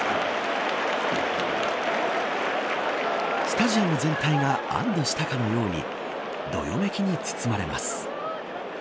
スタジアム全体があんどしたかのようにどよめきに包まれます。